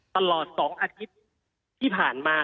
ตลอด๒อาทิตย์ที่ผ่านมา